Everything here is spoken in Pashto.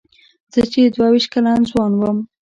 زه چې دوه وېشت کلن ځوان وم.